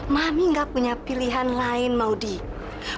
mami gak punya pilihan lain maudie